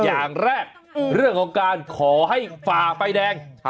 อย่างแรกเรื่องของการขอให้ฝ่าไฟแดง